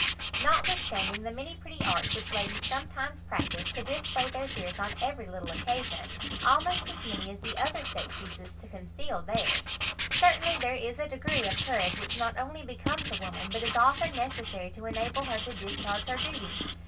Notwithstanding the many pretty arts which ladies sometimes practise, to display their fears on every little occasion (almost as many as the other sex uses to conceal theirs), certainly there is a degree of courage which not only becomes a woman, but is often necessary to enable her to discharge her duty.